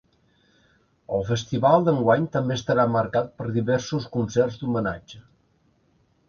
El festival d’enguany també estarà marcat per diversos concerts d’homenatge.